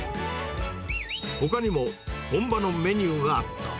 ほかにも本場のメニューがあった。